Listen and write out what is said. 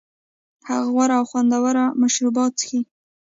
هغه غوره او خوندور مشروبات څښي